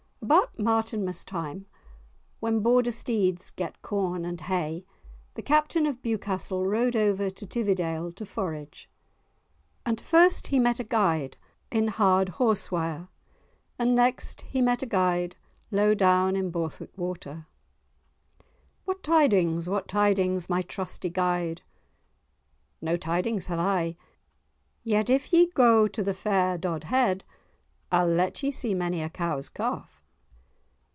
About Martinmas time, when Border steeds get corn and hay, the Captain of Bewcastle rode over to Tividale to forage. And first he met a guide high up in Hardhaughswire, and next he met a guide low down in Borthwick water. "What tidings, what tidings, my trusty guide?" "No tidings have I—yet if ye go to the fair Dodhead, I'll let ye see many a cow's calf."